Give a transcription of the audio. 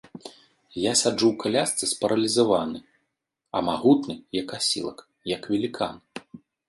Я сяджу ў калясцы спаралізаваны, а магутны, як асілак, як велікан.